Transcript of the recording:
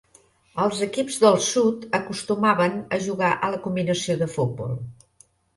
Els equips del sud acostumaven a jugar a la combinació de futbol.